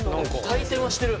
回転はしてる。